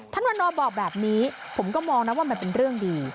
วันนอบอกแบบนี้ผมก็มองนะว่ามันเป็นเรื่องดี